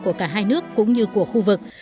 của cả hai nước cũng như của khu vực